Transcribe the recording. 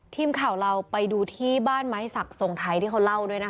ทีมข่าวเราไปดูที่บ้านไม้สักทรงไทยที่เขาเล่าด้วยนะคะ